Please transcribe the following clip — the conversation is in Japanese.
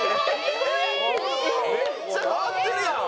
めっちゃ変わってるやん。